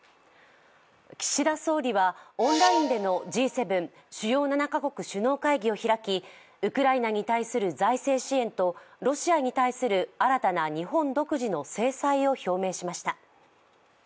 岸田総理は、オンラインでのＧ７＝主要７か国首脳会議を開きウクライナに対する財政支援とロシアに対する新たな日本独自の制裁を表明しました。